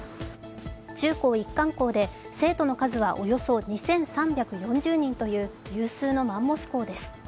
中高一貫校で生徒の数はおよそ２３４０人という有数のマンモス校です。